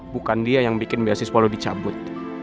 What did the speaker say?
bukan dia yang bikin beasis polo dicabut